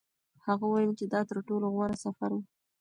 هغه وویل چې دا تر ټولو غوره سفر و.